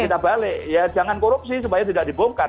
kita balik ya jangan korupsi supaya tidak dibongkar